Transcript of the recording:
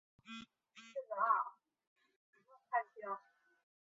南叉的汉普顿地区也是第二次世界大战后居民数量剧增的地区。